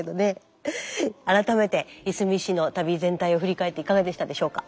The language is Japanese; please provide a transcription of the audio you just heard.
改めていすみ市の旅全体を振り返っていかがでしたでしょうか？